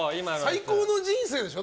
最高の人生でしょ？